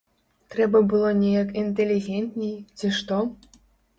Трэба было неяк інтэлігентней, ці што.